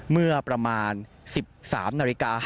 เมื่อประมาณ๑๓นาฬิกา